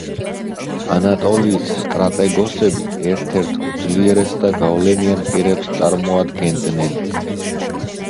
ანატოლიის სტრატეგოსები ერთ-ერთ უძლიერეს და გავლენიან პირებს წარმოადგენდნენ.